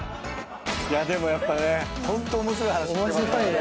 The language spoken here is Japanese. いやでもやっぱねホント面白い話聞けますね。